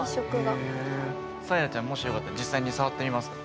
さあやちゃんもしよかったら実際に触ってみますか？